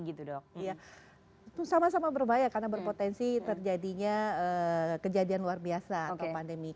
itu sama sama berbahaya karena berpotensi terjadinya kejadian luar biasa atau pandemi